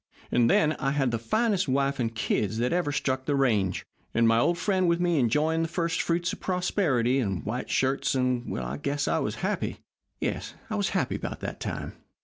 And then, I had the finest wife and kids that ever struck the range, and my old friend with me enjoying the first fruits of prosperity and white shirts, and I guess I was happy. Yes, I was happy about that time."